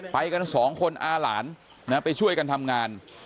ไปกันสองคนอาหลานไปช่วยกันทำงาน